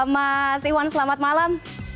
mas iwan selamat malam